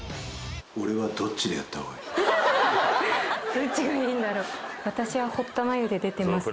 「どっちがいいんだろ？」